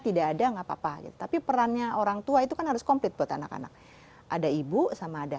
tidak ada nggak apa apa gitu tapi perannya orang tua itu kan harus komplit buat anak anak ada ibu sama ada